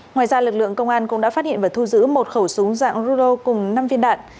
ngoài ra lực lượng công an cũng đã phát hiện và thu giữ một khẩu súng dạng rulo cùng năm viên đạn